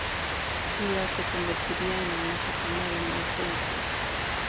Hilliard se convertiría en el más afamado maestro de este arte.